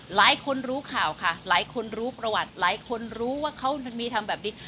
หลายคนรู้ข่าวค่ะหลายคนรู้ประวัติหลายคนรู้ว่าเขามีทำแบบนี้